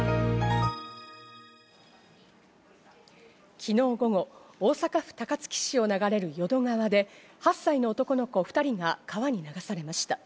昨日午後、大阪府高槻市を流れる淀川で８歳の男の子２人が川に流されました。